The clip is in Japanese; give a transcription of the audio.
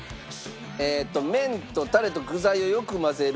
麺とタレと具材をよく混ぜる。